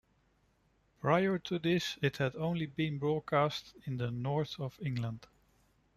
Prior to this it had only been broadcast in the North of England.